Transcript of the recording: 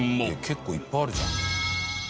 結構いっぱいあるじゃん。